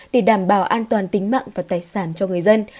để đảm bảo an toàn tính mạng và tài sản cho người dân